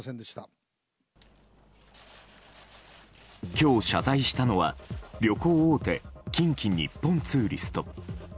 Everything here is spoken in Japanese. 今日謝罪したのは旅行大手、近畿日本ツーリスト。